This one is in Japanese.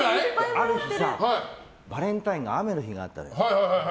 ある時、バレンタインが雨の日があったんだよ。